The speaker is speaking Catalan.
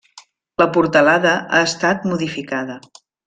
La portalada ha estat modificada.